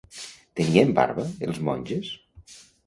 Tenien barba els monges?